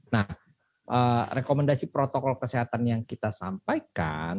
nah rekomendasi protokol kesehatan yang kita sampaikan